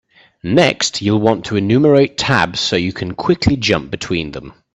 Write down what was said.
Next, you'll want to enumerate tabs so you can quickly jump between them.